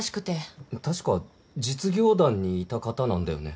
確か実業団にいた方なんだよね？